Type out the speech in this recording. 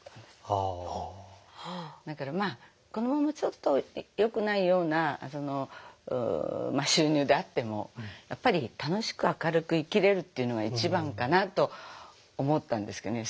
だからまあこのままちょっとよくないような収入であってもやっぱり楽しく明るく生きれるというのが一番かなと思ったんですけどね。